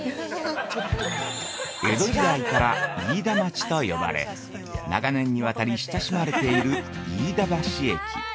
◆江戸時代から飯田町と呼ばれ長年にわたり親しまれている「飯田橋駅」。